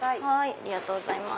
ありがとうございます。